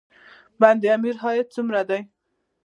د بند امیر عاید څومره دی؟